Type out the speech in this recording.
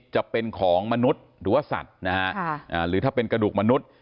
จะเป็นของมนุษย์หรือว่าสัตว์นะฮะหรือถ้าเป็นกระดูกมนุษย์